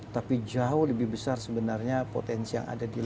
tapi jauh lebih besar sebenarnya potensi yang ada di laut